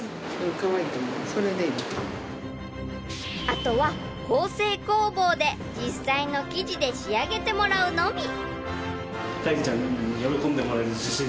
［あとは縫製工房で実際の生地で仕上げてもらうのみ］